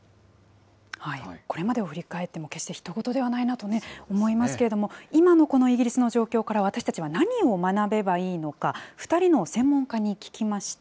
これまでを振り返っても、決してひと事ではないなと思いますけれども、今のこのイギリスの状況から、私たちは何を学べばいいのか、２人の専門家に聞きました。